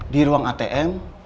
di ruang atm